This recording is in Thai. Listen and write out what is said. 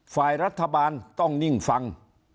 ฝ่ายรัฐบาลต้องนิ่งฟัง